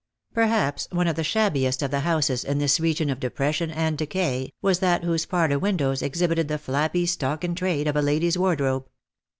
Perhaps one of the shabbiest of the houses in this region of depression and decay was that whose parlour windows exhibited the flabby stock in trade of a ladies' wardrobe.